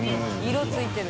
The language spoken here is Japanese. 色付いてる。